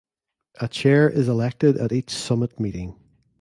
A chair is elected at each summit meeting.